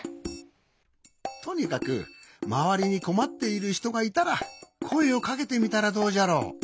とにかくまわりにこまっているひとがいたらこえをかけてみたらどうじゃろ。